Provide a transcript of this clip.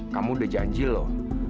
kamu udah janji loh